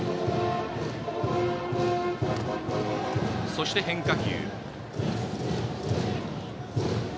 そして、変化球。